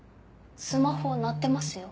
スマホ鳴ってますよ。